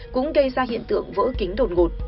cũng gây ra hiện tượng vỡ kính đột ngột